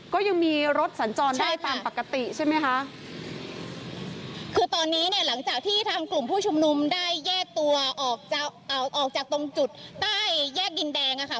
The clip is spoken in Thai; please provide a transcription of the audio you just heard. ก็ยังมีรถสัญจรได้ตามปกติใช่ไหมคะคือตอนนี้เนี่ยหลังจากที่ทางกลุ่มผู้ชุมนุมได้แยกตัวออกจะออกออกจากตรงจุดใต้แยกดินแดงอ่ะค่ะ